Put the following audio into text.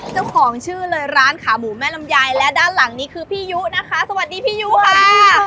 เจ้าของชื่อเลยร้านขาหมูแม่ลำไยและด้านหลังนี้คือพี่ยุนะคะสวัสดีพี่ยุค่ะ